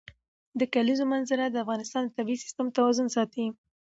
د کلیزو منظره د افغانستان د طبعي سیسټم توازن ساتي.